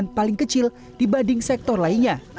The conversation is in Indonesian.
yang paling kecil dibanding sektor lainnya